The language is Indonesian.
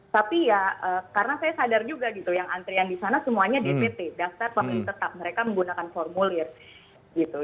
tapi ya karena saya sadar juga gitu yang antrian di sana semuanya dpt daftar pemilih tetap mereka menggunakan formulir gitu